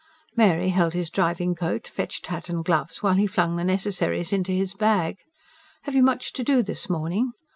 Mary held his driving coat, fetched hat and gloves, while he flung the necessaries into his bag. "Have you much to do this morning?